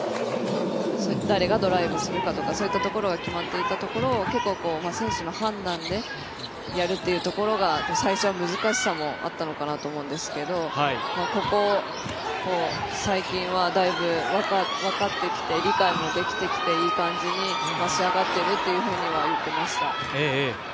誰がドライブするかといったそういったところが決まってたところを結構、選手の判断でやるというところが最初は、難しさもあったのかなと思うんですがここ、最近はだいぶ分かってきて理解もできてきて、いい感じに仕上がっているというふうには言っていました。